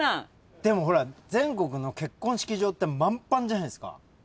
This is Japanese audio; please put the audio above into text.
でもほら全国の結婚式場ってまんぱんじゃないですか。